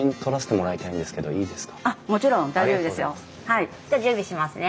はいじゃあ準備しますね。